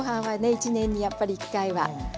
１年にやっぱり１回は。